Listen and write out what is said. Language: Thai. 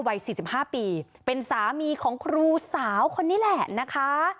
วัย๔๕ปีเป็นสามีของครูสาวคนนี้แหละนะคะ